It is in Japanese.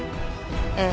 ええ。